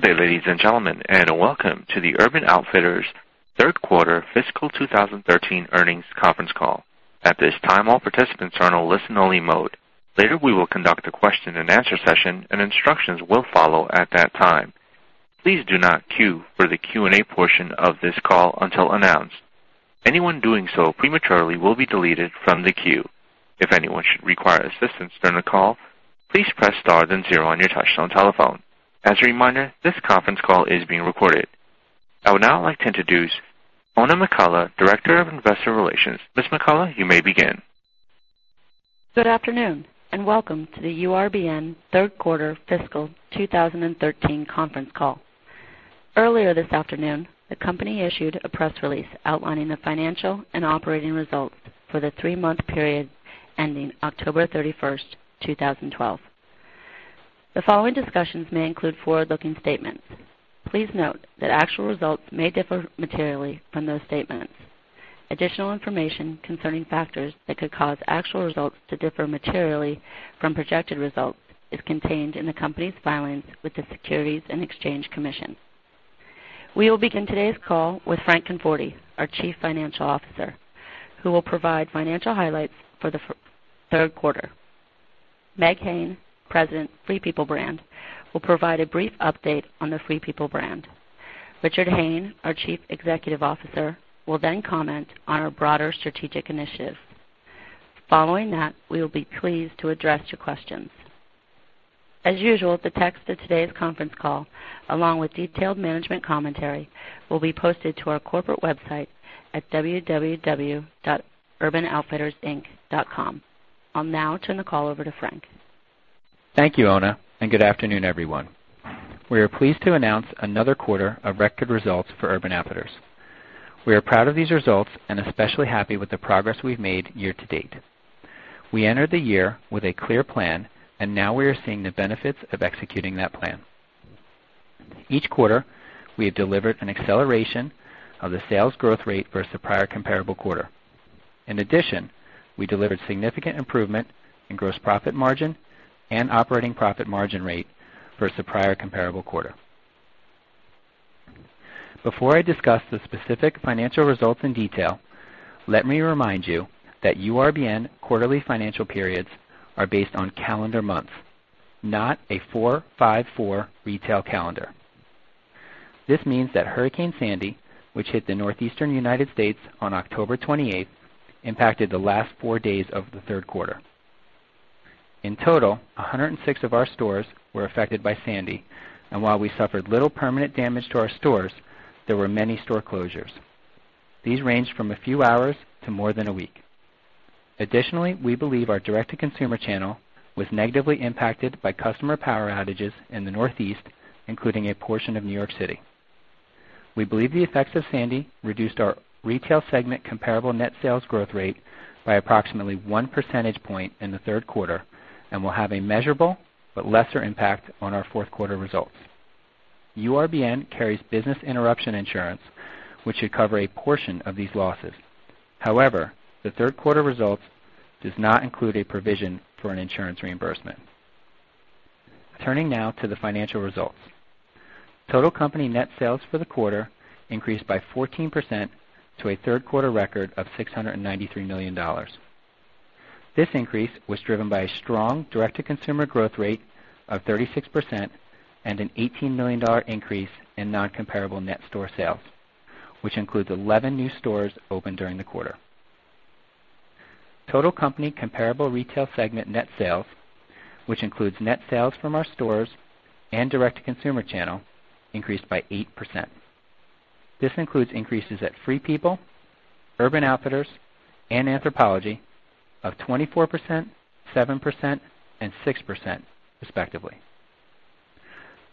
Good day, ladies and gentlemen, welcome to the Urban Outfitters third quarter fiscal 2013 earnings conference call. At this time, all participants are in a listen-only mode. Later, we will conduct a question-and-answer session, and instructions will follow at that time. Please do not queue for the Q&A portion of this call until announced. Anyone doing so prematurely will be deleted from the queue. If anyone should require assistance during the call, please press star then zero on your touchtone telephone. As a reminder, this conference call is being recorded. I would now like to introduce Oona McCullough, Director of Investor Relations. Ms. McCullough, you may begin. Good afternoon, welcome to the URBN third quarter fiscal 2013 conference call. Earlier this afternoon, the company issued a press release outlining the financial and operating results for the three-month period ending October 31st, 2012. The following discussions may include forward-looking statements. Please note that actual results may differ materially from those statements. Additional information concerning factors that could cause actual results to differ materially from projected results is contained in the company's filings with the Securities and Exchange Commission. We will begin today's call with Frank Conforti, our Chief Financial Officer, who will provide financial highlights for the third quarter. Meg Hayne, President, Free People Brand, will provide a brief update on the Free People Brand. Richard Hayne, our Chief Executive Officer, will comment on our broader strategic initiatives. Following that, we will be pleased to address your questions. As usual, the text of today's conference call, along with detailed management commentary, will be posted to our corporate website at www.urbanoutfittersinc.com. I'll now turn the call over to Frank. Thank you, Oona, good afternoon, everyone. We are pleased to announce another quarter of record results for Urban Outfitters. We are proud of these results and especially happy with the progress we've made year-to-date. We entered the year with a clear plan, now we are seeing the benefits of executing that plan. Each quarter, we have delivered an acceleration of the sales growth rate versus the prior comparable quarter. In addition, we delivered significant improvement in gross profit margin and operating profit margin rate versus the prior comparable quarter. Before I discuss the specific financial results in detail, let me remind you that URBN quarterly financial periods are based on calendar months, not a 4-5-4 retail calendar. This means that Hurricane Sandy, which hit the Northeastern U.S. on October 28th, impacted the last four days of the third quarter. In total, 106 of our stores were affected by Hurricane Sandy, and while we suffered little permanent damage to our stores, there were many store closures. These ranged from a few hours to more than a week. Additionally, we believe our direct-to-consumer channel was negatively impacted by customer power outages in the Northeast, including a portion of New York City. We believe the effects of Hurricane Sandy reduced our retail segment comparable net sales growth rate by approximately one percentage point in the third quarter and will have a measurable but lesser impact on our fourth quarter results. URBN carries business interruption insurance, which should cover a portion of these losses. However, the third quarter results does not include a provision for an insurance reimbursement. Turning now to the financial results. Total company net sales for the quarter increased by 14% to a third quarter record of $693 million. This increase was driven by a strong direct-to-consumer growth rate of 36% and an $18 million increase in non-comparable net store sales, which includes 11 new stores opened during the quarter. Total company comparable retail segment net sales, which includes net sales from our stores and direct-to-consumer channel, increased by 8%. This includes increases at Free People, Urban Outfitters, and Anthropologie of 24%, 7%, and 6%, respectively.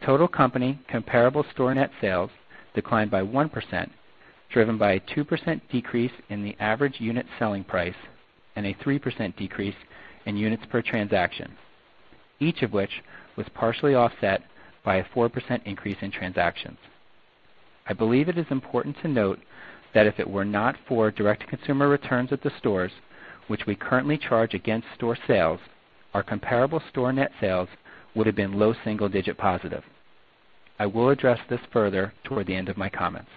Total company comparable store net sales declined by 1%, driven by a 2% decrease in the average unit selling price and a 3% decrease in units per transaction, each of which was partially offset by a 4% increase in transactions. I believe it is important to note that if it were not for direct-to-consumer returns at the stores, which we currently charge against store sales, our comparable store net sales would have been low single digit positive. I will address this further toward the end of my comments.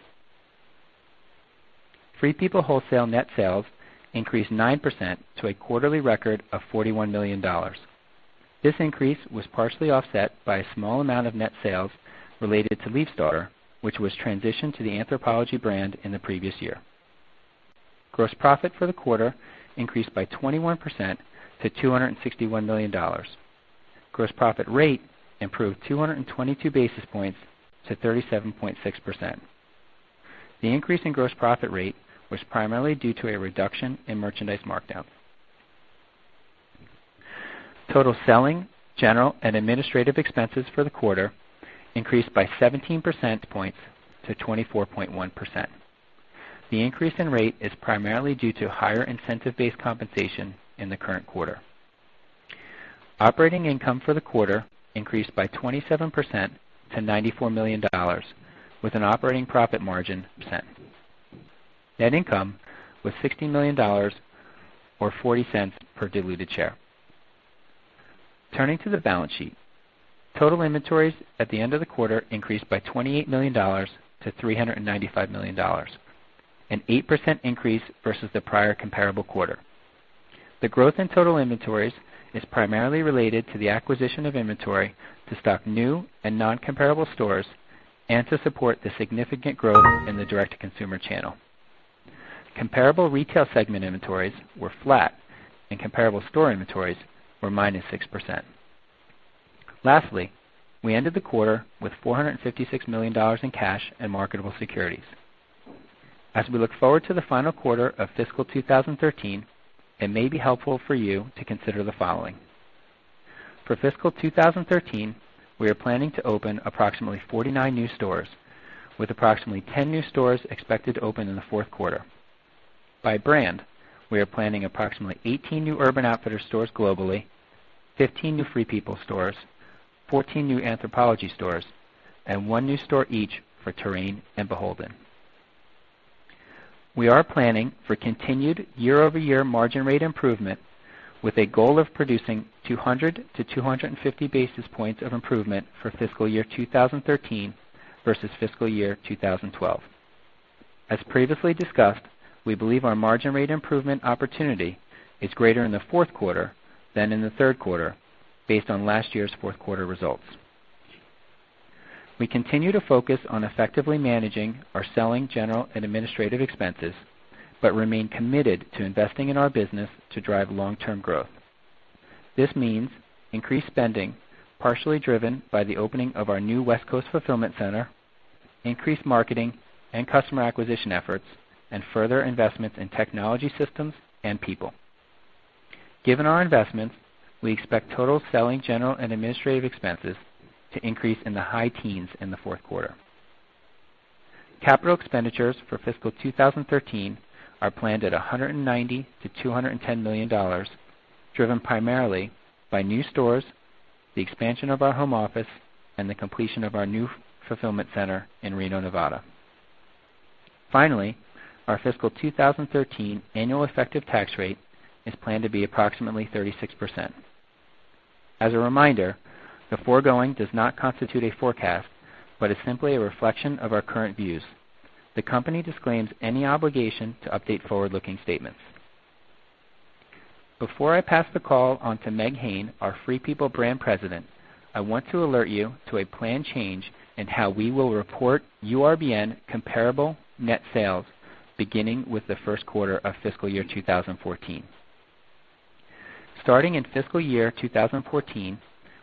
Free People wholesale net sales increased 9% to a quarterly record of $41 million. This increase was partially offset by a small amount of net sales related to Leifsdottir, which was transitioned to the Anthropologie brand in the previous year. Gross profit for the quarter increased by 21% to $261 million. Gross profit rate improved 222 basis points to 37.6%. The increase in gross profit rate was primarily due to a reduction in merchandise markdowns. Total selling, general, and administrative expenses for the quarter increased by 17 percentage points to 24.1%. The increase in rate is primarily due to higher incentive-based compensation in the current quarter. Operating income for the quarter increased by 27% to $94 million, with an operating profit margin of 7%. Net income was $60 million, or $0.40 per diluted share. Turning to the balance sheet. Total inventories at the end of the quarter increased by $28 million to $395 million, an 8% increase versus the prior comparable quarter. The growth in total inventories is primarily related to the acquisition of inventory to stock new and non-comparable stores and to support the significant growth in the direct-to-consumer channel. Comparable retail segment inventories were flat, and comparable store inventories were -6%. Lastly, we ended the quarter with $456 million in cash and marketable securities. As we look forward to the final quarter of FY 2013, it may be helpful for you to consider the following. For FY 2013, we are planning to open approximately 49 new stores, with approximately 10 new stores expected to open in the fourth quarter. By brand, we are planning approximately 18 new Urban Outfitters stores globally, 15 new Free People stores, 14 new Anthropologie stores, and one new store each for Terrain and BHLDN. We are planning for continued year-over-year margin rate improvement with a goal of producing 200 to 250 basis points of improvement for fiscal year 2013 versus fiscal year 2012. As previously discussed, we believe our margin rate improvement opportunity is greater in the fourth quarter than in the third quarter based on last year's fourth quarter results. We continue to focus on effectively managing our selling, general, and administrative expenses but remain committed to investing in our business to drive long-term growth. This means increased spending, partially driven by the opening of our new West Coast fulfillment center, increased marketing and customer acquisition efforts, and further investments in technology systems and people. Given our investments, we expect total selling, general, and administrative expenses to increase in the high teens in the fourth quarter. Capital expenditures for fiscal year 2013 are planned at $190 million to $210 million, driven primarily by new stores, the expansion of our home office, and the completion of our new fulfillment center in Reno, Nevada. Finally, our fiscal year 2013 annual effective tax rate is planned to be approximately 36%. As a reminder, the foregoing does not constitute a forecast, but is simply a reflection of our current views. The company disclaims any obligation to update forward-looking statements. Before I pass the call on to Meg Hayne, our Free People brand president, I want to alert you to a planned change in how we will report URBN comparable net sales beginning with the first quarter of fiscal year 2014. Starting in fiscal year 2014,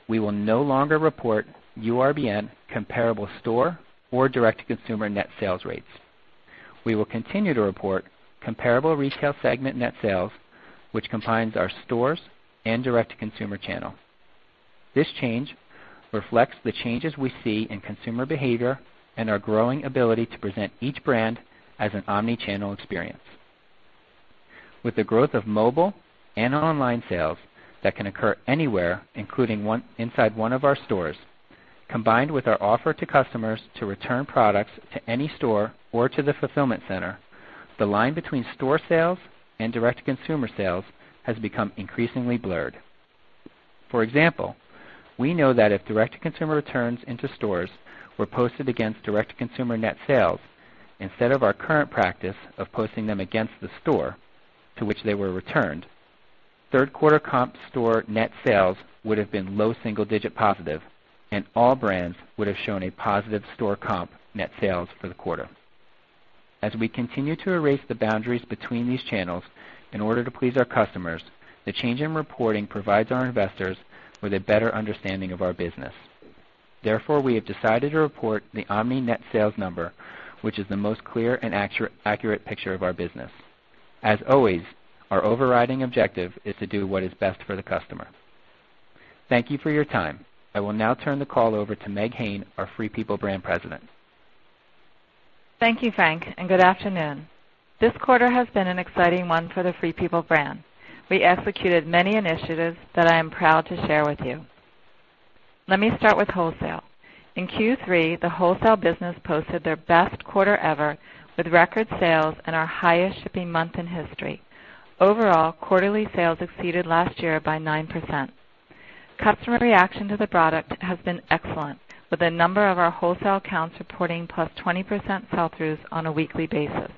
we will no longer report URBN comparable store or direct-to-consumer net sales rates. We will continue to report comparable retail segment net sales, which combines our stores and direct-to-consumer channel. This change reflects the changes we see in consumer behavior and our growing ability to present each brand as an omni-channel experience. With the growth of mobile and online sales that can occur anywhere, including inside one of our stores, combined with our offer to customers to return products to any store or to the fulfillment center, the line between store sales and direct-to-consumer sales has become increasingly blurred. For example, we know that if direct-to-consumer returns into stores were posted against direct-to-consumer net sales, instead of our current practice of posting them against the store to which they were returned, third quarter comp store net sales would have been low single digit positive and all brands would have shown a positive store comp net sales for the quarter. As we continue to erase the boundaries between these channels in order to please our customers, the change in reporting provides our investors with a better understanding of our business. Therefore, we have decided to report the omni-net sales number, which is the most clear and accurate picture of our business. As always, our overriding objective is to do what is best for the customer. Thank you for your time. I will now turn the call over to Meg Hayne, our Free People brand president. Thank you, Frank, and good afternoon. This quarter has been an exciting one for the Free People brand. We executed many initiatives that I am proud to share with you. Let me start with wholesale. In Q3, the wholesale business posted their best quarter ever with record sales and our highest shipping month in history. Overall, quarterly sales exceeded last year by 9%. Customer reaction to the product has been excellent, with a number of our wholesale accounts reporting plus 20% sell-throughs on a weekly basis.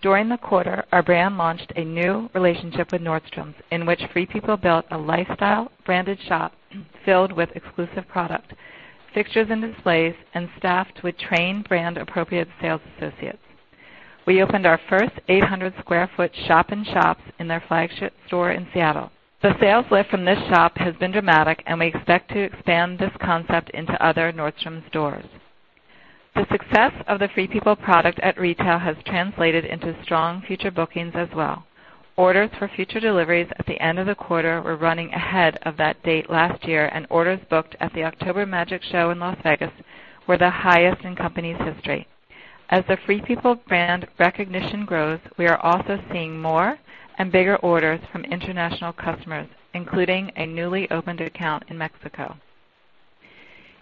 During the quarter, our brand launched a new relationship with Nordstrom, in which Free People built a lifestyle branded shop filled with exclusive product, fixtures and displays, and staffed with trained, brand-appropriate sales associates. We opened our first 800 square foot shop-in-shop in their flagship store in Seattle. The sales lift from this shop has been dramatic, and we expect to expand this concept into other Nordstrom stores. The success of the Free People product at retail has translated into strong future bookings as well. Orders for future deliveries at the end of the quarter were running ahead of that date last year, and orders booked at the October MAGIC show in Las Vegas were the highest in the company's history. As the Free People brand recognition grows, we are also seeing more and bigger orders from international customers, including a newly opened account in Mexico.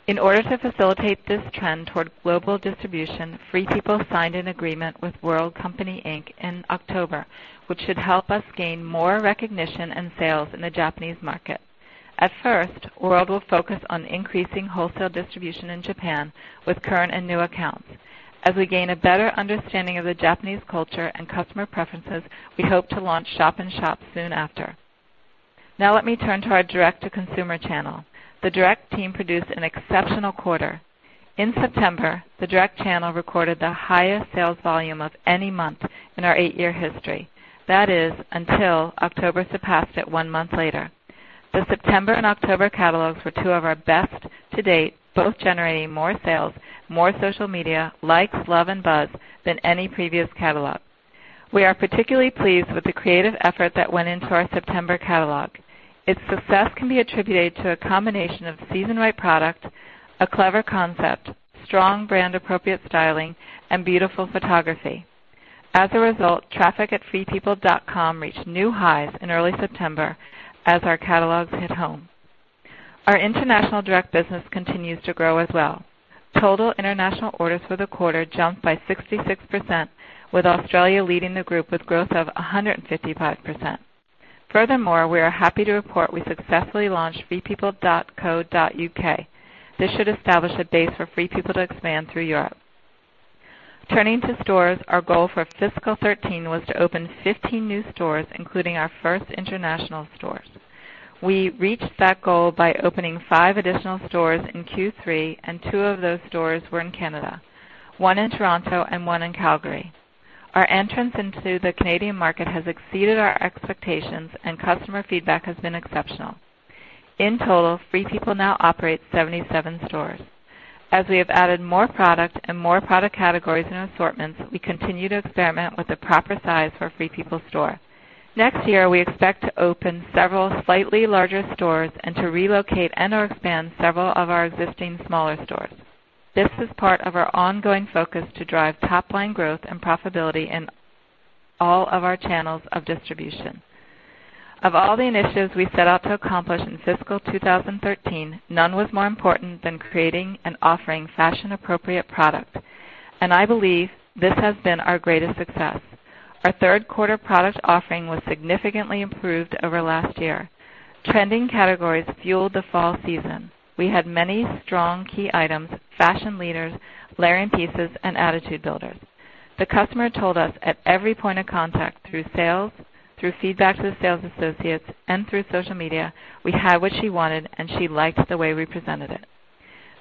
In order to facilitate this trend toward global distribution, Free People signed an agreement with World Company Inc. in October, which should help us gain more recognition and sales in the Japanese market. At first, World will focus on increasing wholesale distribution in Japan with current and new accounts. As we gain a better understanding of the Japanese culture and customer preferences, we hope to launch shop-in-shops soon after. Now let me turn to our direct-to-consumer channel. The direct team produced an exceptional quarter. In September, the direct channel recorded the highest sales volume of any month in our eight-year history. That is, until October surpassed it one month later. The September and October catalogs were two of our best to date, both generating more sales, more social media likes, love, and buzz than any previous catalog. We are particularly pleased with the creative effort that went into our September catalog. Its success can be attributed to a combination of season-right product, a clever concept, strong brand-appropriate styling, and beautiful photography. As a result, traffic at freepeople.com reached new highs in early September as our catalogs hit home. Our international direct business continues to grow as well. Total international orders for the quarter jumped by 66%, with Australia leading the group with growth of 155%. Furthermore, we are happy to report we successfully launched freepeople.co.uk. This should establish a base for Free People to expand through Europe. Turning to stores, our goal for fiscal 2013 was to open 15 new stores, including our first international stores. We reached that goal by opening five additional stores in Q3, and two of those stores were in Canada, one in Toronto and one in Calgary. Our entrance into the Canadian market has exceeded our expectations, and customer feedback has been exceptional. In total, Free People now operates 77 stores. As we have added more product and more product categories and assortments, we continue to experiment with the proper size for a Free People store. Next year, we expect to open several slightly larger stores and to relocate and/or expand several of our existing smaller stores. This is part of our ongoing focus to drive top-line growth and profitability in all of our channels of distribution. Of all the initiatives we set out to accomplish in fiscal 2013, none was more important than creating and offering fashion-appropriate product, and I believe this has been our greatest success. Our third quarter product offering was significantly improved over last year. Trending categories fueled the fall season. We had many strong key items, fashion leaders, layering pieces, and attitude builders. The customer told us at every point of contact, through sales, through feedback to the sales associates, and through social media, we had what she wanted, and she liked the way we presented it.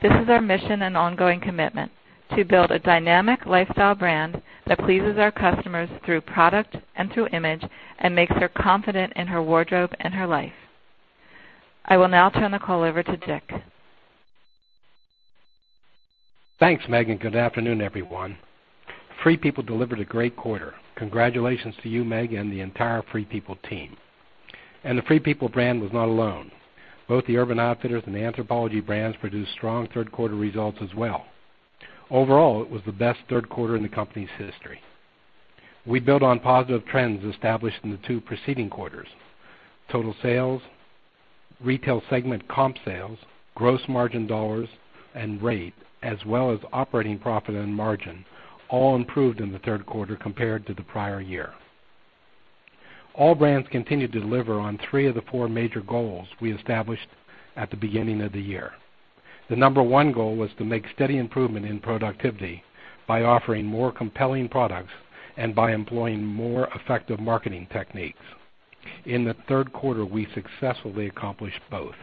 This is our mission and ongoing commitment. To build a dynamic lifestyle brand that pleases our customers through product and through image and makes her confident in her wardrobe and her life. I will now turn the call over to Dick. Thanks, Meg. Good afternoon, everyone. Free People delivered a great quarter. Congratulations to you, Megan, the entire Free People team. The Free People brand was not alone. Both the Urban Outfitters and Anthropologie brands produced strong third quarter results as well. Overall, it was the best third quarter in the company's history. We built on positive trends established in the two preceding quarters. Total sales, retail segment comp sales, gross margin dollars and rate, as well as operating profit and margin all improved in the third quarter compared to the prior year. All brands continued to deliver on three of the four major goals we established at the beginning of the year. The number one goal was to make steady improvement in productivity by offering more compelling products and by employing more effective marketing techniques. In the third quarter, we successfully accomplished both.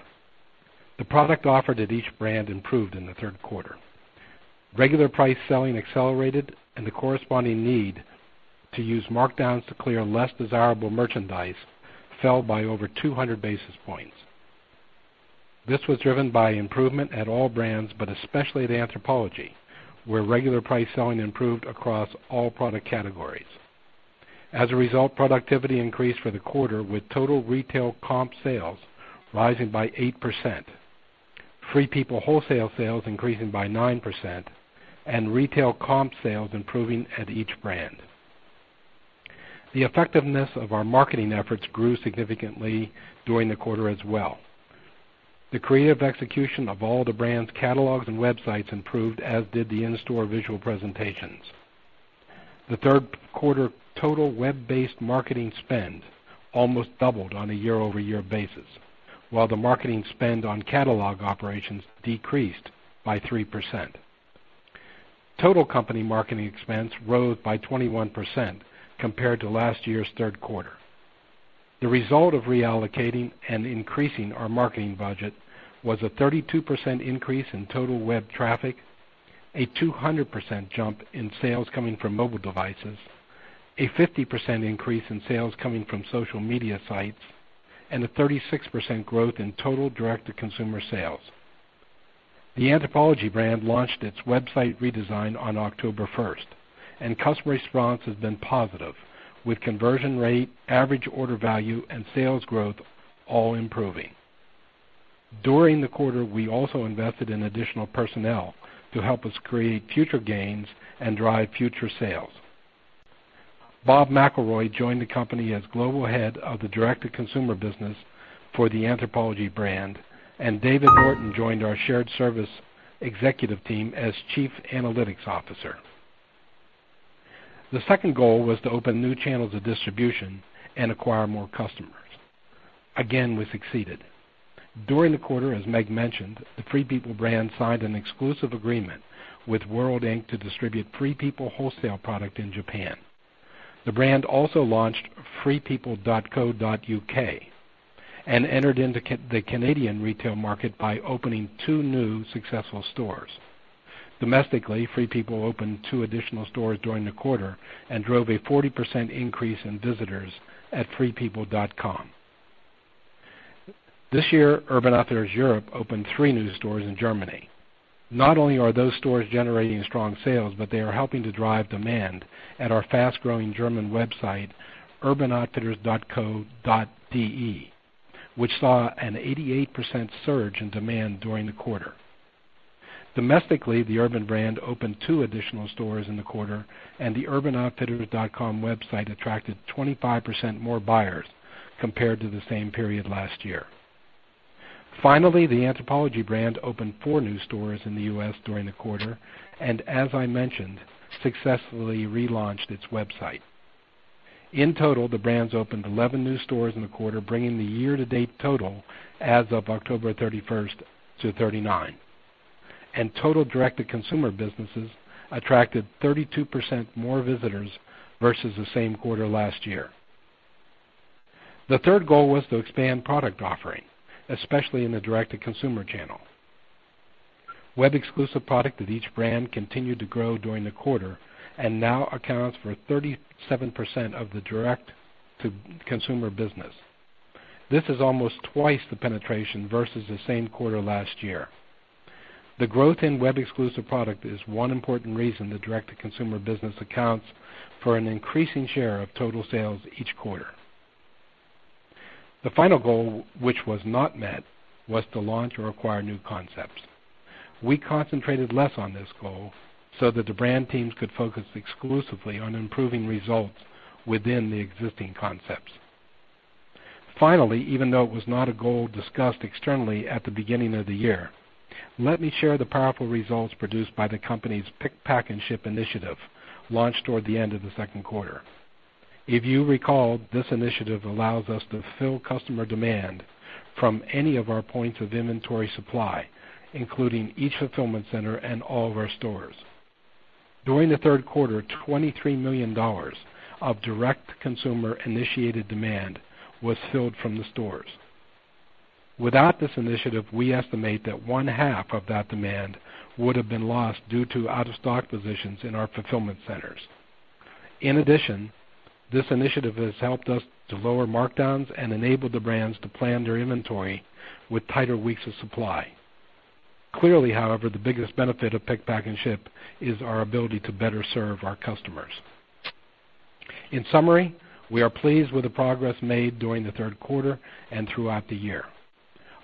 The product offered at each brand improved in the third quarter. Regular price selling accelerated and the corresponding need to use markdowns to clear less desirable merchandise fell by over 200 basis points. This was driven by improvement at all brands, but especially at Anthropologie, where regular price selling improved across all product categories. As a result, productivity increased for the quarter, with total retail comp sales rising by 8%, Free People wholesale sales increasing by 9%, and retail comp sales improving at each brand. The effectiveness of our marketing efforts grew significantly during the quarter as well. The creative execution of all the brands' catalogs and websites improved, as did the in-store visual presentations. The third quarter total web-based marketing spend almost doubled on a year-over-year basis, while the marketing spend on catalog operations decreased by 3%. Total company marketing expense rose by 21% compared to last year's third quarter. The result of reallocating and increasing our marketing budget was a 32% increase in total web traffic, a 200% jump in sales coming from mobile devices, a 50% increase in sales coming from social media sites, and a 36% growth in total direct-to-consumer sales. The Anthropologie brand launched its website redesign on October 1st, and customer response has been positive, with conversion rate, average order value, and sales growth all improving. During the quarter, we also invested in additional personnel to help us create future gains and drive future sales. Bob McEldowney joined the company as Global Head of the Direct to Consumer Business for the Anthropologie brand, and David Norton joined our shared service executive team as Chief Analytics Officer. The second goal was to open new channels of distribution and acquire more customers. Again, we succeeded. During the quarter, as Meg mentioned, the Free People brand signed an exclusive agreement with World Inc. to distribute Free People wholesale product in Japan. The brand also launched freepeople.co.uk and entered into the Canadian retail market by opening two new successful stores. Domestically, Free People opened two additional stores during the quarter and drove a 40% increase in visitors at freepeople.com. This year, Urban Outfitters Europe opened three new stores in Germany. Not only are those stores generating strong sales, but they are helping to drive demand at our fast-growing German website, urbanoutfitters.de, which saw an 88% surge in demand during the quarter. Domestically, the Urban brand opened two additional stores in the quarter, and the urbanoutfitters.com website attracted 25% more buyers compared to the same period last year. Finally, the Anthropologie brand opened four new stores in the U.S. during the quarter, and as I mentioned, successfully relaunched its website. In total, the brands opened 11 new stores in the quarter, bringing the year-to-date total as of October 31st to 39, and total direct-to-consumer businesses attracted 32% more visitors versus the same quarter last year. The third goal was to expand product offering, especially in the direct-to-consumer channel. Web-exclusive product of each brand continued to grow during the quarter and now accounts for 37% of the direct-to-consumer business. This is almost twice the penetration versus the same quarter last year. The growth in web-exclusive product is one important reason the direct-to-consumer business accounts for an increasing share of total sales each quarter. The final goal, which was not met, was to launch or acquire new concepts. We concentrated less on this goal so that the brand teams could focus exclusively on improving results within the existing concepts. Finally, even though it was not a goal discussed externally at the beginning of the year, let me share the powerful results produced by the company's Pick, Pack, and Ship initiative, launched toward the end of the second quarter. If you recall, this initiative allows us to fill customer demand from any of our points of inventory supply, including each fulfillment center and all of our stores. During the third quarter, $23 million of direct consumer-initiated demand was filled from the stores. Without this initiative, we estimate that one-half of that demand would have been lost due to out-of-stock positions in our fulfillment centers. In addition, this initiative has helped us to lower markdowns and enable the brands to plan their inventory with tighter weeks of supply. Clearly, however, the biggest benefit of pick, pack, and ship is our ability to better serve our customers. In summary, we are pleased with the progress made during the third quarter and throughout the year.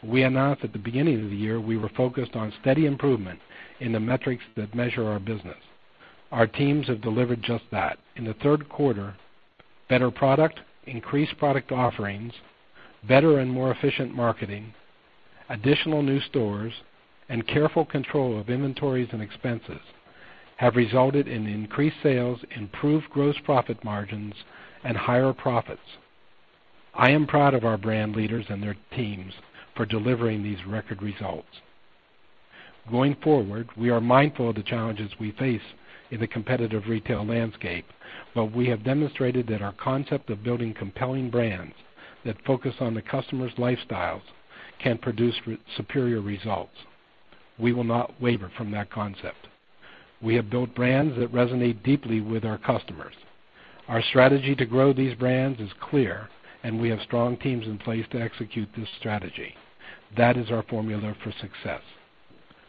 We announced at the beginning of the year, we were focused on steady improvement in the metrics that measure our business. Our teams have delivered just that. In the third quarter, better product, increased product offerings, better and more efficient marketing, additional new stores, and careful control of inventories and expenses have resulted in increased sales, improved gross profit margins, and higher profits. I am proud of our brand leaders and their teams for delivering these record results. Going forward, we are mindful of the challenges we face in the competitive retail landscape, we have demonstrated that our concept of building compelling brands that focus on the customer's lifestyles can produce superior results. We will not waver from that concept. We have built brands that resonate deeply with our customers. Our strategy to grow these brands is clear, we have strong teams in place to execute this strategy. That is our formula for success.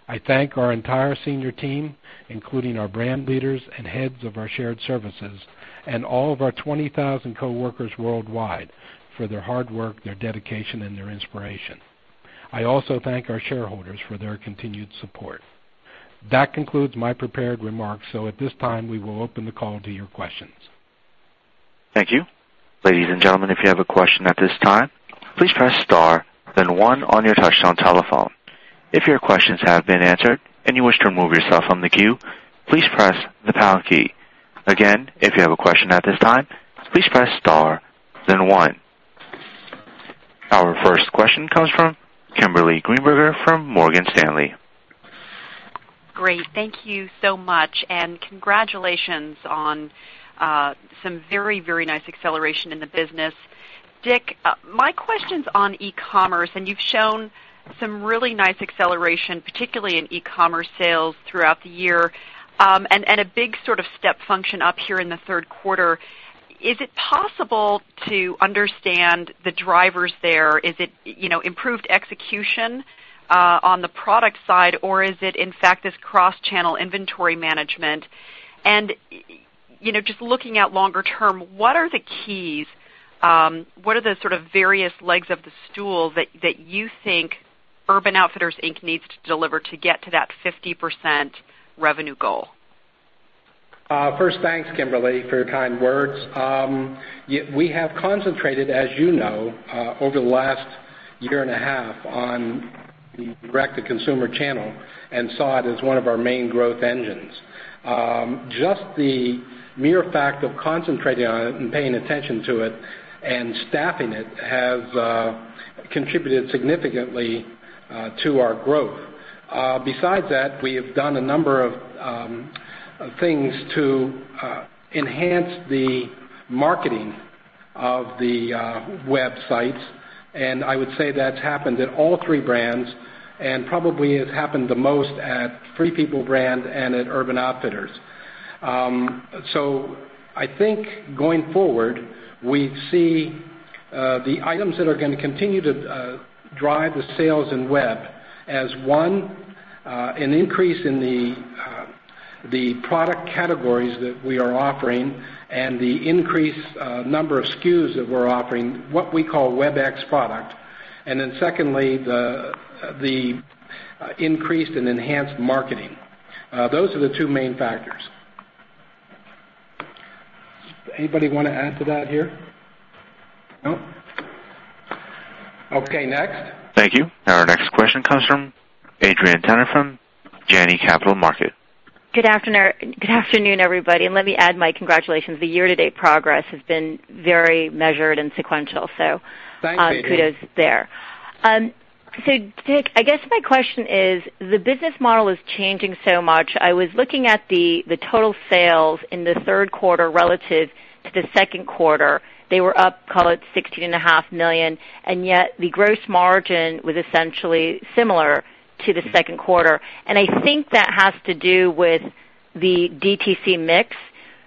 I thank our entire senior team, including our brand leaders and heads of our shared services and all of our 20,000 coworkers worldwide for their hard work, their dedication, and their inspiration. I also thank our shareholders for their continued support. That concludes my prepared remarks. At this time, we will open the call to your questions. Thank you. Ladies and gentlemen, if you have a question at this time, please press star then one on your touchtone telephone. If your questions have been answered and you wish to remove yourself from the queue, please press the pound key. Again, if you have a question at this time, please press star then one. Our first question comes from Kimberly Greenberger from Morgan Stanley. Great. Thank you so much, congratulations on some very nice acceleration in the business. Dick, my question's on e-commerce, you've shown some really nice acceleration, particularly in e-commerce sales throughout the year, a big sort of step function up here in the third quarter. Is it possible to understand the drivers there? Is it improved execution on the product side, or is it in fact this cross-channel inventory management? Just looking at longer term, what are the keys, what are the sort of various legs of the stool that you think Urban Outfitters Inc. needs to deliver to get to that 50% revenue goal. First, thanks, Kimberly, for your kind words. We have concentrated, as you know, over the last year and a half on the direct-to-consumer channel and saw it as one of our main growth engines. Just the mere fact of concentrating on it and paying attention to it and staffing it has contributed significantly to our growth. Besides that, we have done a number of things to enhance the marketing of the websites, I would say that's happened in all three brands and probably has happened the most at Free People brand and at Urban Outfitters. I think going forward, we see the items that are going to continue to drive the sales in web as one, an increase in the product categories that we are offering and the increased number of SKUs that we're offering, what we call Web X product. Then secondly, the increased and enhanced marketing. Those are the two main factors. Anybody want to add to that here? No? Okay, next. Thank you. Our next question comes from Adrienne Tennant from Janney Capital Markets. Good afternoon, everybody, let me add my congratulations. The year-to-date progress has been very measured and sequential. Thank you. Kudos there. Dick, I guess my question is, the business model is changing so much. I was looking at the total sales in the third quarter relative to the second quarter. They were up, call it $16.5 million, yet the gross margin was essentially similar to the second quarter, and I think that has to do with the DTC mix.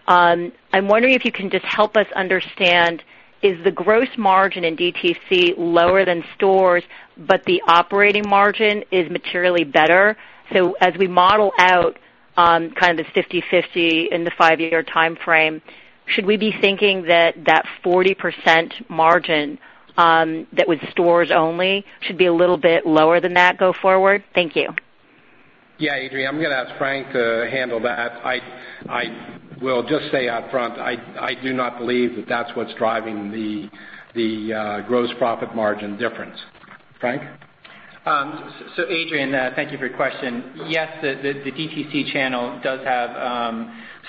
I'm wondering if you can just help us understand, is the gross margin in DTC lower than stores, but the operating margin is materially better? As we model out on this 50/50 in the five-year timeframe, should we be thinking that that 40% margin that was stores only should be a little bit lower than that go forward? Thank you. Yeah, Adrienne Tennant, I'm going to ask Frank to handle that. I will just say up front, I do not believe that that's what's driving the gross profit margin difference. Frank? Adrienne, thank you for your question. Yes, the DTC channel does have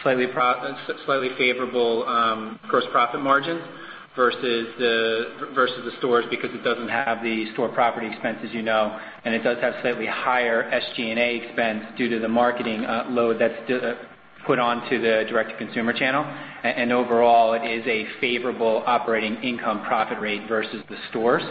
slightly favorable gross profit margins versus the stores because it doesn't have the store property expense, as you know, and it does have slightly higher SG&A expense due to the marketing load that's put onto the direct-to-consumer channel. Overall, it is a favorable operating income profit rate versus the stores.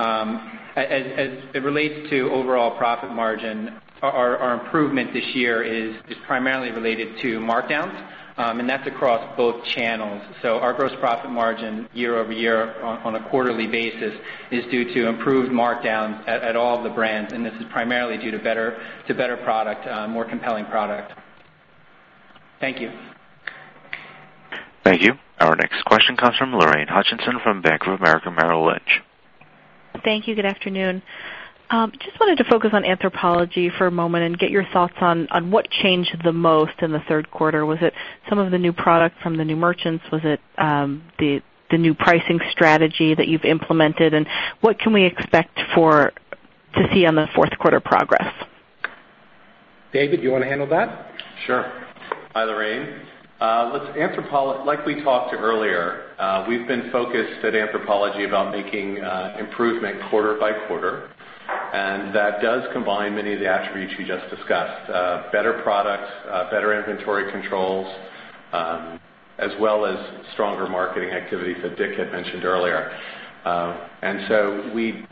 As it relates to overall profit margin, our improvement this year is primarily related to markdowns, that's across both channels. Our gross profit margin year-over-year on a quarterly basis is due to improved markdowns at all of the brands, and this is primarily due to better product, more compelling product. Thank you. Thank you. Our next question comes from Lorraine Hutchinson from Bank of America, Merrill Lynch. Thank you. Good afternoon. Just wanted to focus on Anthropologie for a moment and get your thoughts on what changed the most in the third quarter. Was it some of the new product from the new merchants? Was it the new pricing strategy that you've implemented? What can we expect to see on the fourth quarter progress? David, you want to handle that? Sure. Hi, Lorraine. Like we talked earlier, we've been focused at Anthropologie about making improvement quarter by quarter. That does combine many of the attributes you just discussed. Better products, better inventory controls, as well as stronger marketing activity that Dick had mentioned earlier.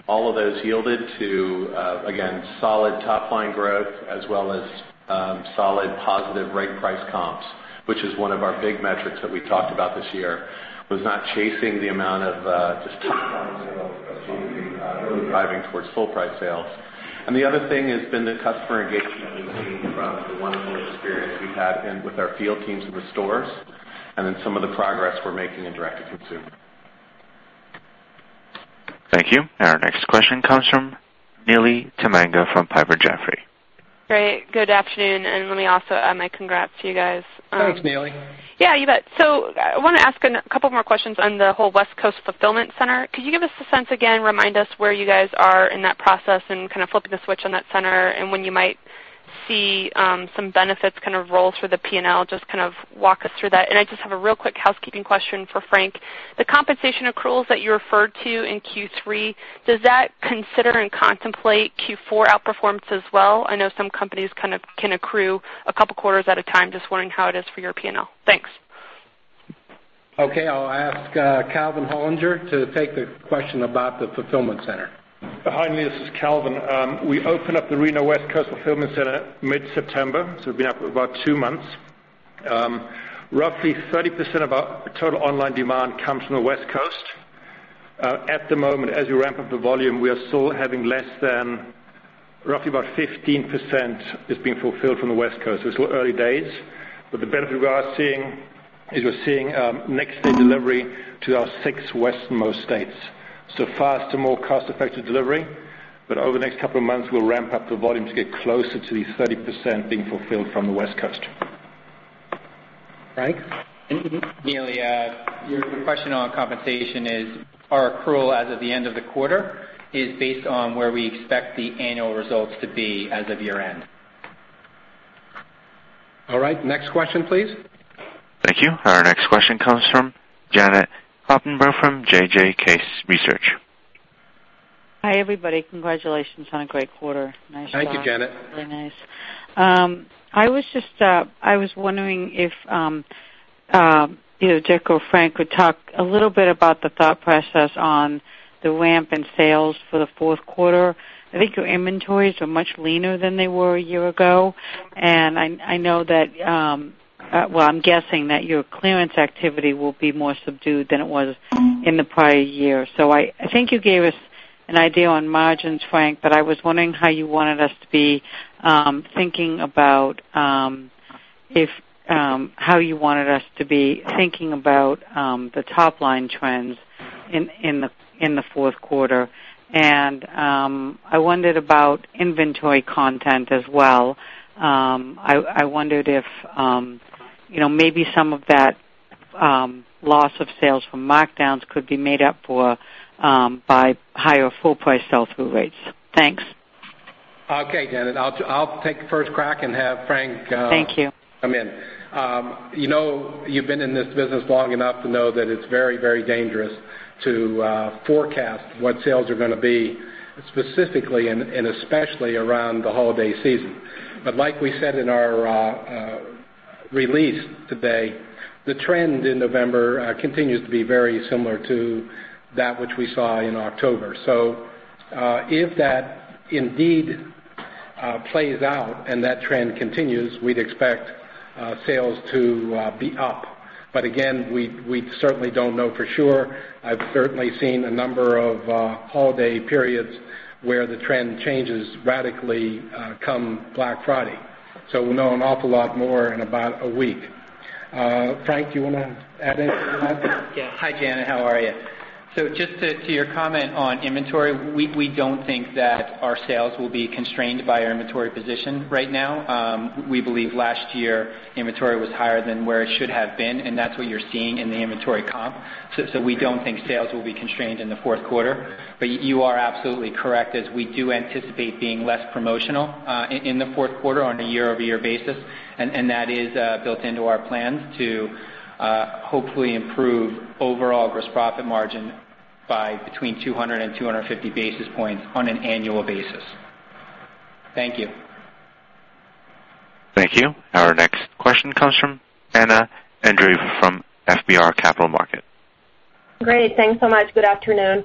All of those yielded to, again, solid top-line growth as well as solid positive reg price comps, which is one of our big metrics that we talked about this year, was not chasing the amount of just top-line sales, but really driving towards full price sales. The other thing has been the customer engagement we've seen from the wonderful experience we've had with our field teams in the stores and then some of the progress we're making in direct-to-consumer. Thank you. Our next question comes from Neely Tamminga from Piper Jaffray. Great. Good afternoon. Let me also add my congrats to you guys. Thanks, Neely. Yeah, you bet. I want to ask a couple more questions on the whole West Coast fulfillment center. Could you give us a sense again, remind us where you guys are in that process and kind of flipping the switch on that center and when you might see some benefits kind of roll through the P&L? Just walk us through that. I just have a real quick housekeeping question for Frank. The compensation accruals that you referred to in Q3, does that consider and contemplate Q4 outperformance as well? I know some companies can accrue a couple quarters at a time. Just wondering how it is for your P&L. Thanks. Okay. I'll ask Calvin Hollinger to take the question about the fulfillment center. Hi, Neely. This is Calvin. We opened up the Reno West Coast fulfillment center mid-September, so we've been up about two months. Roughly 30% of our total online demand comes from the West Coast. At the moment, as we ramp up the volume, we are still having less than Roughly about 15% is being fulfilled from the West Coast. It's still early days, the benefit we are seeing is we're seeing next-day delivery to our six westernmost states. Faster, more cost-effective delivery. Over the next couple of months, we'll ramp up the volume to get closer to the 30% being fulfilled from the West Coast. Frank? Neely, your question on compensation is, our accrual as of the end of the quarter is based on where we expect the annual results to be as of year-end. All right. Next question, please. Thank you. Our next question comes from Janet Kloppenburg from JJK Research. Hi, everybody. Congratulations on a great quarter. Nice job. Thank you, Janet. Very nice. I was wondering if Richard or Frank could talk a little bit about the thought process on the ramp in sales for the fourth quarter. I think your inventories are much leaner than they were a year ago, I'm guessing that your clearance activity will be more subdued than it was in the prior year. I think you gave us an idea on margins, Frank, but I was wondering how you wanted us to be thinking about the top-line trends in the fourth quarter. I wondered about inventory content as well. I wondered if maybe some of that loss of sales from markdowns could be made up for by higher full price sell-through rates. Thanks. Okay, Janet. I'll take the first crack and have Frank- Thank you come in. You've been in this business long enough to know that it's very dangerous to forecast what sales are going to be, specifically and especially around the holiday season. Like we said in our release today, the trend in November continues to be very similar to that which we saw in October. If that indeed plays out and that trend continues, we'd expect sales to be up. Again, we certainly don't know for sure. I've certainly seen a number of holiday periods where the trend changes radically come Black Friday. We'll know an awful lot more in about a week. Frank, do you want to add anything to that? Yeah. Hi, Janet. How are you? Just to your comment on inventory, we don't think that our sales will be constrained by our inventory position right now. We believe last year, inventory was higher than where it should have been, and that's what you're seeing in the inventory comp. We don't think sales will be constrained in the fourth quarter. You are absolutely correct as we do anticipate being less promotional in the fourth quarter on a year-over-year basis, and that is built into our plans to hopefully improve overall gross profit margin by between 200 and 250 basis points on an annual basis. Thank you. Thank you. Our next question comes from Anya Andreeva from FBR Capital Markets. Great. Thanks so much. Good afternoon.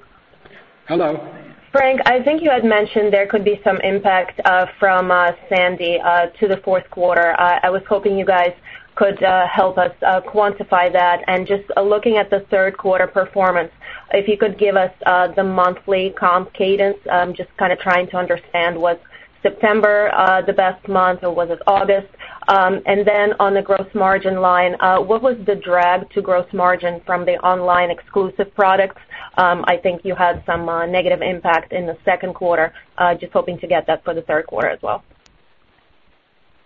Hello. Frank, I think you had mentioned there could be some impact from Sandy to the fourth quarter. I was hoping you guys could help us quantify that. Looking at the third quarter performance, if you could give us the monthly comp cadence, just trying to understand what September, the best month, or was it August? Then on the gross margin line, what was the drag to gross margin from the online exclusive products? I think you had some negative impact in the second quarter. Just hoping to get that for the third quarter as well.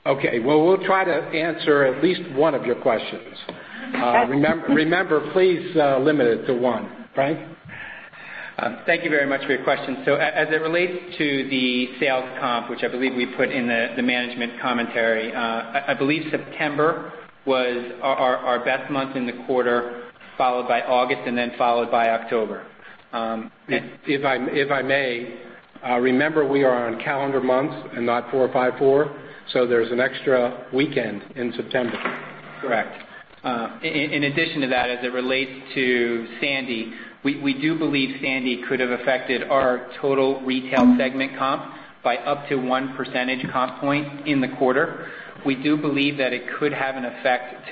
Okay. Well, we'll try to answer at least one of your questions. Remember, please limit it to one. Frank? Thank you very much for your question. As it relates to the sales comp, which I believe we put in the management commentary, I believe September was our best month in the quarter, followed by August, and then followed by October. If I may, remember we are on calendar months and not 4-5-4, so there's an extra weekend in September. Correct. In addition to that, as it relates to Sandy, we do believe Sandy could have affected our total retail segment comp by up to 1 percentage comp point in the quarter. We do believe that it could have an effect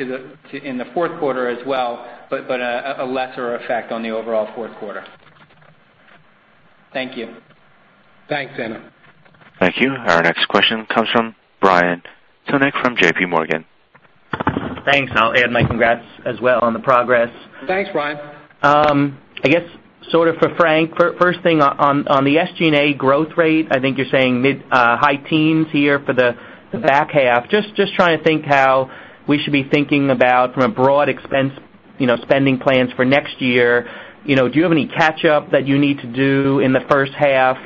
in the fourth quarter as well, but a lesser effect on the overall fourth quarter. Thank you. Thanks, Anya. Thank you. Our next question comes from Brian Tunick from JPMorgan. Thanks. I'll add my congrats as well on the progress. Thanks, Brian. I guess sort of for Frank, first thing on the SG&A growth rate, I think you're saying mid-high teens here for the back half. Trying to think how we should be thinking about from a broad expense spending plans for next year. Do you have any catch up that you need to do in the first half,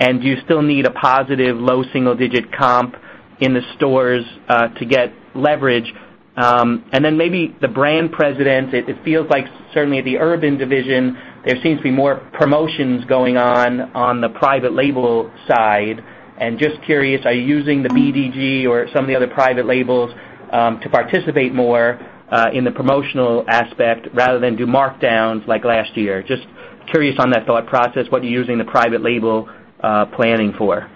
do you still need a positive low single-digit comp in the stores to get leverage? Maybe the brand precedence, it feels like certainly at the Urban division, there seems to be more promotions going on the private label side. Curious, are you using the BDG or some of the other private labels to participate more in the promotional aspect rather than do markdowns like last year? Curious on that thought process, what you're using the private label planning for.